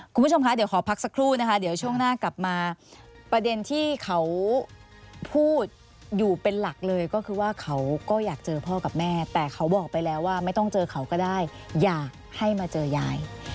คุณผู้ชมคะเดี๋ยวขอพักสักครู่นะคะเดี๋ยวช่วงหน้ากลับมาประเด็นที่เขาพูดอยู่เป็นหลักเลยก็คือว่าเขาก็อยากเจอพ่อกับแม่แต่เขาบอกไปแล้วว่าไม่ต้องเจอเขาก็ได้อยากให้มาเจอยาย